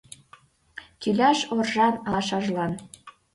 Кӱляш оржан алашажлан